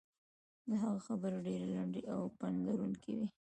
د هغه خبرې ډېرې لنډې او پند لرونکې وې.